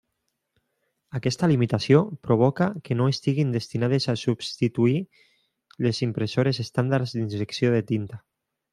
Aquesta limitació provoca que no estiguin destinades a substituir les impressores estàndards d'injecció de tinta.